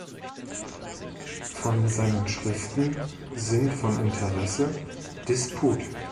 Von seinen Schriften sind von Interesse "„Disput.